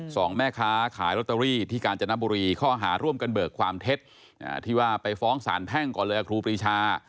สองแม่ค้าขายลอตเตอรี่ที่กาญจนบุรีข้อหาร่วมกันเบิกความเท็จที่ว่าไปฟ้องสารแพ่งก่อนเลยครูปรีชา